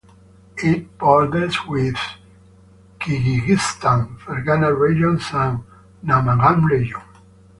It borders with Kyrgyzstan, Fergana Region and Namangan Region.